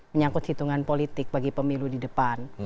menyangkut hitungan politik bagi pemilu di depan